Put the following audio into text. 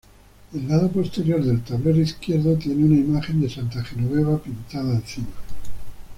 El lado posterior del tablero izquierdo tiene una imagen de santa Genoveva pintada encima.